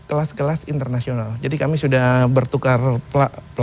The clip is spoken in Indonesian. kelas kelas internasional jadi kami sudah bertukar pelajar dan mahasiswa dengan universitas konventri